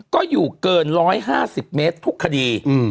ก็อยู่เกิน๑๕๐เมตรทุกคดี